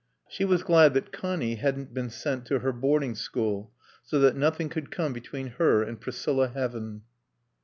She was glad that Connie hadn't been sent to her boarding school, so that nothing could come between her and Priscilla Heaven.